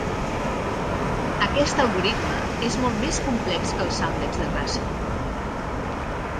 Aquest algoritme és molt més complex que el Soundex de Russell.